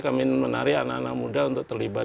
kami menarik anak anak muda untuk terlibat